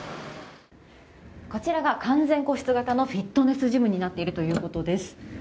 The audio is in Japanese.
こちらが完全個室型のフィットネスジムになっているということです。